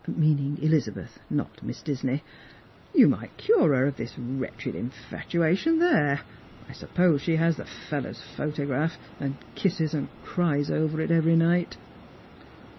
meaning Elizabeth, and not Miss Disney. "You might cure her of this wretched infatuation there. I suppose she has the fellow's photograph, and kisses and cries over it every night."